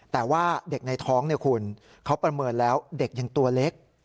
แต่ว่าเด็กในท้องเนี่ยคุณเขาประเมินแล้วเด็กยังตัวเล็ก